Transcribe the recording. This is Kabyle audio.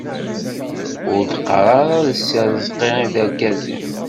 Ur d-qqar ara d si Rezqi i d argaz-im.